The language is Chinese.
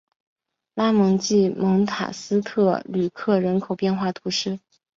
拉蒙济蒙塔斯特吕克人口变化图示